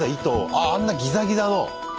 あああんなギザギザの。